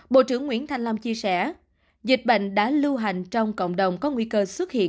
bộ trưởng nguyễn thanh long chia sẻ dịch bệnh đã lưu hành trong cộng đồng có nguy cơ xuất hiện